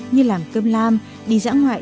như làm cơm lam đi dã ngoại